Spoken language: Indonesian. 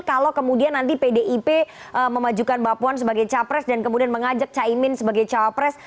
kalau kemudian nanti pdip memajukan mbak puan sebagai capres dan kemudian mengajak caimin sebagai cawapres